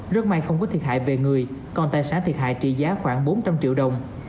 rất may không có thiệt hại về người còn tài sản thiệt hại trị giá khoảng bốn trăm linh triệu đồng